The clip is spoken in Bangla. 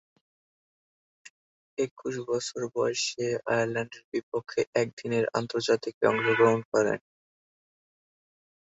একুশ বছর বয়সে আয়ারল্যান্ডের বিপক্ষে একদিনের আন্তর্জাতিকে অংশগ্রহণ করেন।